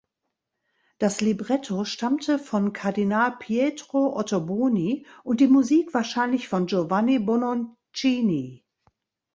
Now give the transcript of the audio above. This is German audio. Das Libretto stammte von Kardinal Pietro Ottoboni und die Musik wahrscheinlich von Giovanni Bononcini.